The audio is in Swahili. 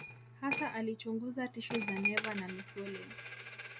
Hasa alichunguza tishu za neva na misuli.